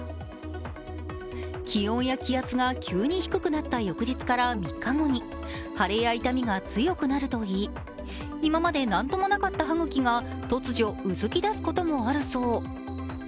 気温や気圧が急に低くなった翌日から３日後に腫れ痛みが強くなるといい今まで何ともなかった歯茎が突如、うずき出すこともあるそう。